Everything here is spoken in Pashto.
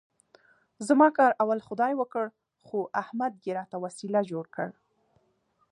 زما کار اول خدای وکړ، خو احمد یې راته وسیله جوړ کړ.